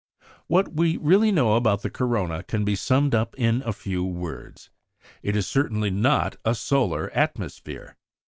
What we really know about the corona can be summed up in a few words. It is certainly not a solar atmosphere.